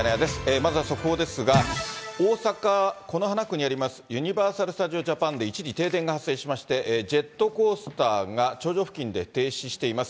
まずは速報ですが、大阪・此花区にありますユニバーサル・スタジオ・ジャパンで一時停電が発生しまして、ジェットコースターが頂上付近で停止しています。